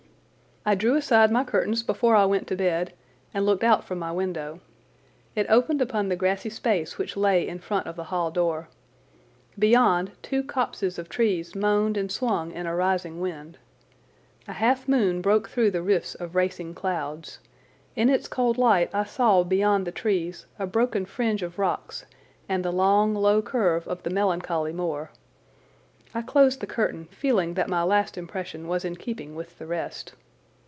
I drew aside my curtains before I went to bed and looked out from my window. It opened upon the grassy space which lay in front of the hall door. Beyond, two copses of trees moaned and swung in a rising wind. A half moon broke through the rifts of racing clouds. In its cold light I saw beyond the trees a broken fringe of rocks, and the long, low curve of the melancholy moor. I closed the curtain, feeling that my last impression was in keeping with the rest.